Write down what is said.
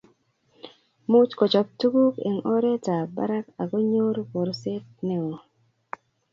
muuch kochop tuguk eng oretab barak ago nyoor borset neo